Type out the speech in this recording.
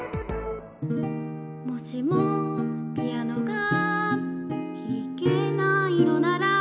「もしもピアノがひけないのなら」